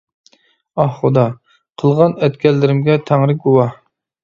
-ئاھ خۇدا! قىلغان ئەتكەنلىرىمگە تەڭرى گۇۋاھ!